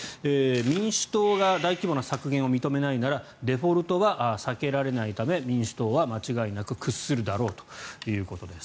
民主党が大規模な削減を認めないならデフォルトは避けられないため民主党は間違いなく屈するだろうということです。